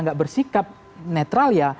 gak bersikap netral ya